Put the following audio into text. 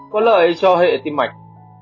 có lợi cho hệ tim mạch